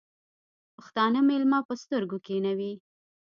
پښتانه مېلمه په سترگو کېنوي.